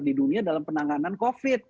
di dunia dalam penanganan covid